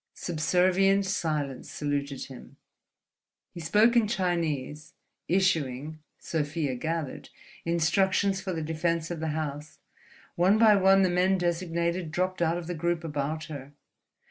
Subservient silence saluted him. He spoke in Chinese, issuing (Sofia gathered) instructions for the defense of the house. One by one the men designated dropped out of the group about her.